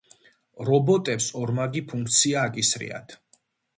რობოტებს ორმაგი ფუნქცია აკისრიათ.